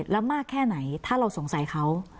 แล้วมากแค่ไหนถ้าเราสงสัยเขา